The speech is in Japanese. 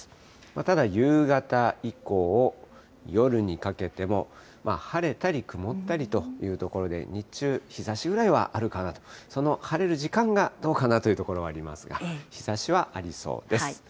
ただ夕方以降、夜にかけても、晴れたり曇ったりというところで、日中、日ざしぐらいはあるかなと、その晴れる時間がどうかなというところはありますが、日ざしはありそうです。